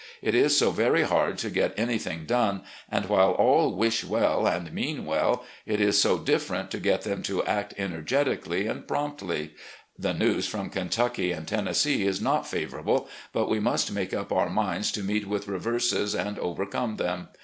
It is so very hard to get anything done, and while all wish well and mean well, it is so different to get them to act energetically 64 RECOLLECTIONS OF GENERAL LEE and promptly. ... The news from Kentucky and Tennessee is not favourable, but we must make up our minds to meet with reverses and overcome them.